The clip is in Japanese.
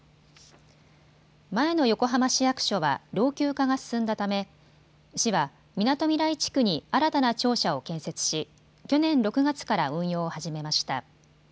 前の横浜市役所は老朽化が進んだため市はみなとみらい地区に新たな庁舎を建設し去年６月から運用を始めました。